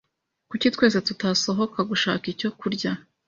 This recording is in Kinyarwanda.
Kuki twese tutasohoka gushaka icyo kurya?